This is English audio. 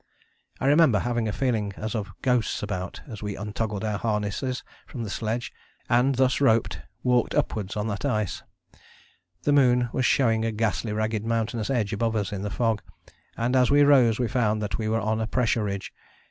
I remember having a feeling as of ghosts about as we untoggled our harnesses from the sledge, tied them together, and thus roped walked upwards on that ice. The moon was showing a ghastly ragged mountainous edge above us in the fog, and as we rose we found that we were on a pressure ridge.